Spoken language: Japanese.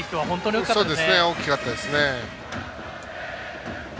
大きかったですね。